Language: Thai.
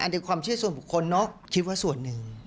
อันนี้ความเชื่อส่วนบุคคลเนอะคิดว่าส่วนหนึ่ง